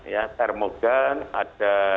ya termogan ada